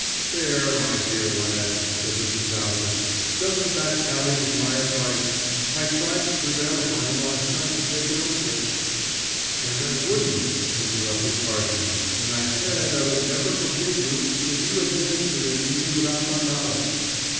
"There, my dear lad," said Mr. Dowsett, "doesn't that tally with my advice? I tried to prevail upon him last night to take an opiate " "And I wouldn't," interrupted Carton, "and I said I would never forgive you if you administered it to me without my knowledge.